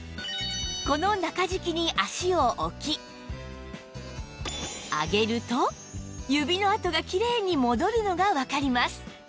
この中敷きに足を置き上げると指の跡がきれいに戻るのがわかります